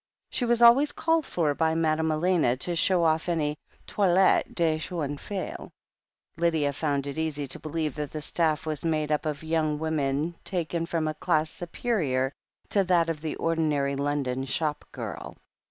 She was always called for by Madame Elena to show off any toilette de jeune fille. Lydia found it easy to believe that the staff was made up of young women taken from a class superior to that of the ordinary London shop girl.